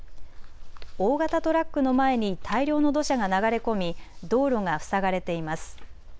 大型トラックの前に大量の土砂が流れ込み道路が塞がれています。